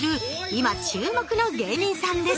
今注目の芸人さんです